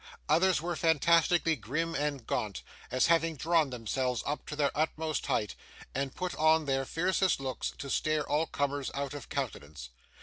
Others, were fantastically grim and gaunt, as having drawn themselves up to their utmost height, and put on their fiercest looks to stare all comers out of countenance.